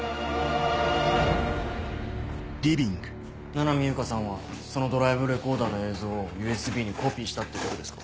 七海悠香さんはそのドライブレコーダーの映像をＵＳＢにコピーしたってことですか？